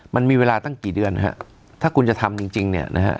มันมีเวลาตั้งกี่เดือนฮะถ้าคุณจะทำจริงจริงเนี่ยนะฮะ